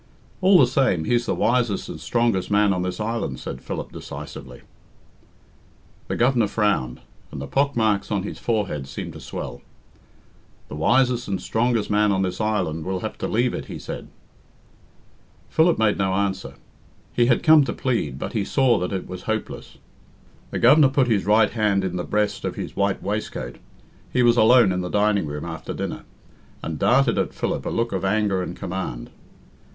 "All the same, he's the wisest and strongest man on this island," said Philip decisively. The Governor frowned, and the pockmarks on his forehead seemed to swell. "The wisest and strongest man on this island will have to leave it," he said. Philip made no answer. He had come to plead, but he saw that it was hopeless. The Governor put his right hand in the breast, of his white waistcoat he was alone in the dining room after dinner and darted at Philip a look of anger and command.